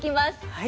はい。